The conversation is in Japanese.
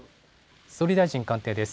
総理大臣官邸です。